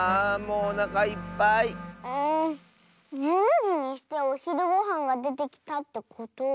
うん１２じにしておひるごはんがでてきたってことは。